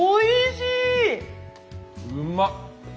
うまっ！